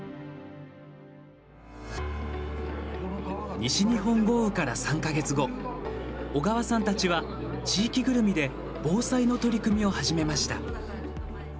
西日本豪雨から３か月後小川さんたちは、地域ぐるみで防災の取り組みを始めました。